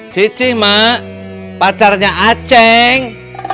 cicih mak pacarnya aceng